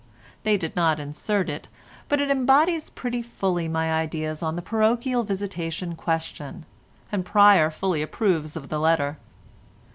They did not insert it, but it embodies pretty fully my ideas on the parochial visitation question, and Pryer fully approves of the letter.